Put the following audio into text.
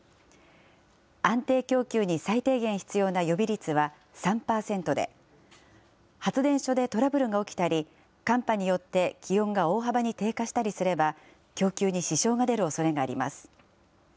安定供給に最低限必要な予備率は３％で、発電所でトラブルが起きたり、寒波によって気温が大幅に低下したりすれば、供給に支障が出るおそれがあります。